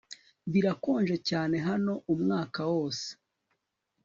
Birakonje cyane hano umwaka wose